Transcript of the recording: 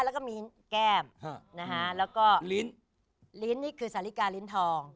รูปมีแก้มริ้นนี่ที่คือสาริการิ้นทอง